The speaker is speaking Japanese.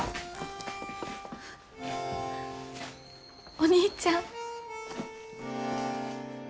お兄ちゃん。